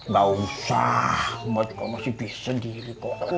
gak usah mbah kamu masih bisa sendiri kok